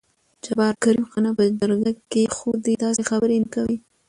جبار: کريم خانه په جرګه کې خو دې داسې خبرې نه کوې.